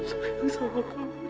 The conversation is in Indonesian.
tuhan maha pengampun